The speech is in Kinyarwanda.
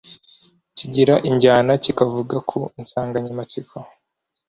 kigira injyana kikavuga ku nsanganyamatsiko